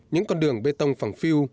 những con đường bê tông phẳng phiêu